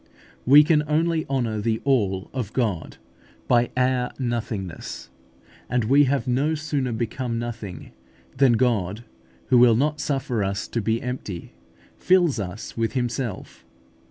We can only honour the ALL of God by our NOTHINGNESS; and we have no sooner become nothing, than God, who will not suffer us to be empty, fills us with Himself.